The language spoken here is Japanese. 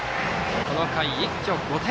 この回、一挙５点。